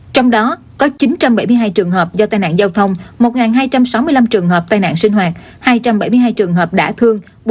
trong đó có chín trăm bảy mươi hai trường hợp do tai nạn giao thông một hai trăm sáu mươi năm trường hợp tai nạn sinh hoạt hai trăm bảy mươi hai trường hợp đã thương